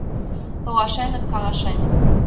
Толашеныт каҥашен: